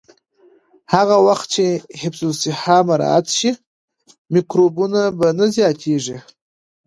هغه وخت چې حفظ الصحه مراعت شي، میکروبونه به نه زیاتېږي.